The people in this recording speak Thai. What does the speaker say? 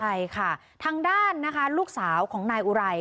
ใช่ค่ะทางด้านนะคะลูกสาวของนายอุไร